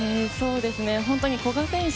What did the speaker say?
本当に古賀選手